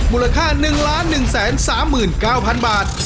มูลค่า๑๑๓๙๐๐บาท